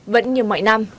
vẫn nhiều mọi năm